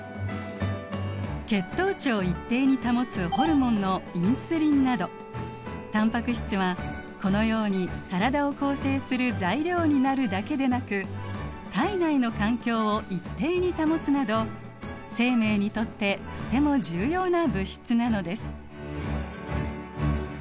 血糖値を一定に保つホルモンのインスリンなどタンパク質はこのように体を構成する材料になるだけでなく体内の環境を一定に保つなど生命にとってとても重要な物質なのです。